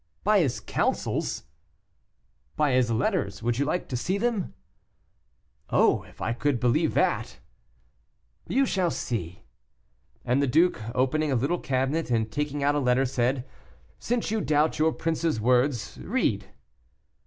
"By his counsels?" "By his letters. Would you like to see them?" "Oh! if I could believe that!" "You shall see." And the duke, opening a little cabinet, and taking out a letter, said, "Since you doubt your prince's words, read."